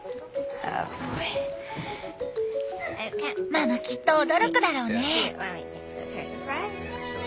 ママきっと驚くだろうね。